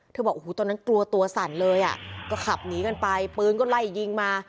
บอกโอ้โหตอนนั้นกลัวตัวสั่นเลยอ่ะก็ขับหนีกันไปปืนก็ไล่ยิงมา